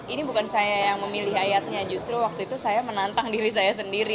ini bukan saya yang memilih ayatnya justru waktu itu saya menantang diri saya sendiri